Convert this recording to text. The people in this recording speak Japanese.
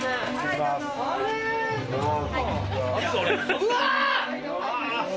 うわ！